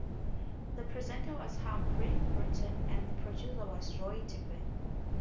The presenter was Humphrey Burton and the producer was Roy Tipping.